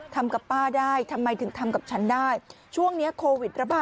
ทำกับป้าได้ทำไมถึงทำกับฉันได้ช่วงนี้โควิดระบาด